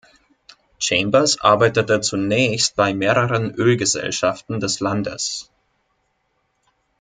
Chambers arbeitete zunächst bei mehreren Ölgesellschaften des Landes.